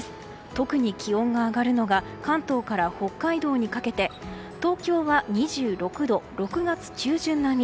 特に気温が上がるのが関東から北海道にかけて東京は２６度で６月中旬並み。